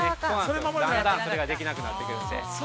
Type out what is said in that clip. だんだんそれができなくなってくるんで。